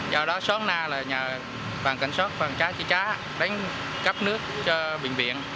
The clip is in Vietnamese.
do đó sót na là nhà phòng cháy chữa cháy đánh cấp nước cho bệnh viện